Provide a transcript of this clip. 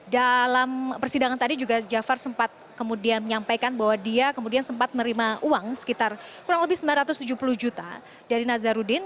dalam persidangan tadi juga jafar sempat kemudian menyampaikan bahwa dia kemudian sempat menerima uang sekitar kurang lebih sembilan ratus tujuh puluh juta dari nazarudin